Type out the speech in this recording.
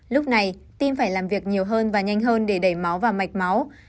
lúc này tim phải làm việc nhiều hơn và nhanh hơn để đẩy máu vào mạch máu